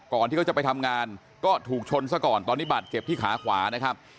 ที่เขาจะไปทำงานก็ถูกชนซะก่อนตอนนี้บาดเจ็บที่ขาขวานะครับ